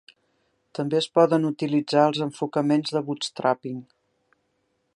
També es poden utilitzar els enfocaments de bootstrapping.